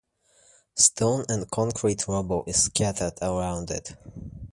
Stone and concrete rubble is scattered around it.